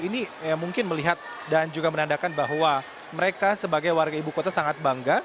ini mungkin melihat dan juga menandakan bahwa mereka sebagai warga ibu kota sangat bangga